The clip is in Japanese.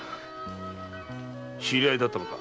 知り合いだったのか。